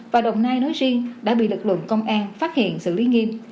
và đồng nai nói riêng đã bị lực lượng công an phát hiện xử lý nghiêm